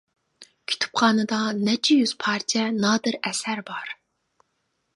كۇتۇپخانىدا نەچچە يۈز پارچە نادىر ئەسەر بار.